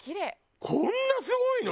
こんなすごいの？